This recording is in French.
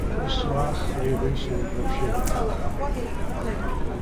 Au soir, les rues sont jonchées de cadavres.